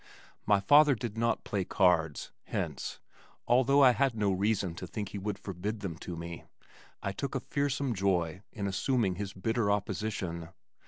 My father did not play cards, hence, although I had no reason to think he would forbid them to me, I took a fearsome joy in assuming his bitter opposition.